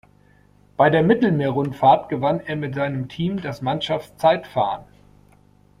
Bei der Mittelmeer-Rundfahrt gewann er mit seinem Team das Mannschaftszeitfahren.